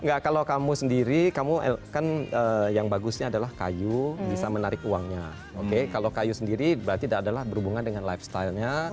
enggak kalau kamu sendiri kamu kan yang bagusnya adalah kayu bisa menarik uangnya oke kalau kayu sendiri berarti adalah berhubungan dengan lifestylenya